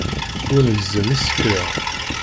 Ur ngezzem isekla.